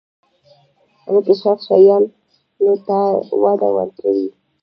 انکشاف شیانو ته وده ورکوي.